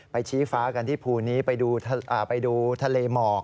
ชี้ฟ้ากันที่ภูนี้ไปดูทะเลหมอก